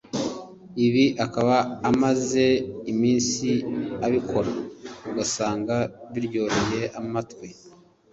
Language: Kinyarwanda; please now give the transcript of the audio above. ibi akaba amaze iminsi abikora ugasanga biryoheye amatwi